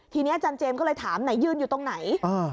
ทีนี้อาจารย์เจมส์ก็เลยถามไหนยืนอยู่ตรงไหน